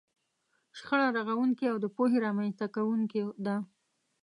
شخړه رغونکې او د پوهې رامنځته کوونکې ده.